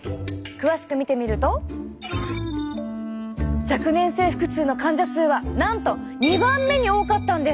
詳しく見てみると若年性腹痛の患者数はなんと２番目に多かったんです！